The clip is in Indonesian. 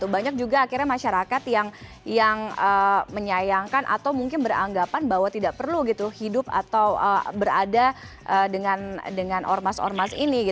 banyak juga akhirnya masyarakat yang menyayangkan atau mungkin beranggapan bahwa tidak perlu hidup atau berada dengan ormas ormas ini